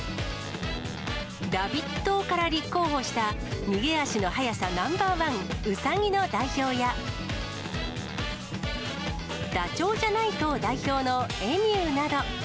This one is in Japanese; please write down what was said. ラビッ党から立候補した、逃げ足の速さナンバー１、ウサギの代表や、ダチョウじゃない党代表のエミューなど。